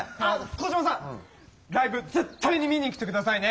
コジマさんライブ絶対に見に来てくださいね。